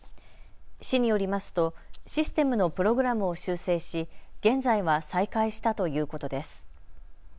市によりますとシステムのプログラムを修正し現在は再開したということです。